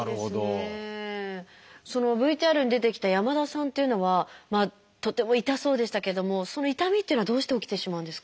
ＶＴＲに出てきた山田さんっていうのはとても痛そうでしたけどもその痛みっていうのはどうして起きてしまうんですか？